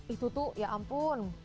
itu tuh ya ampun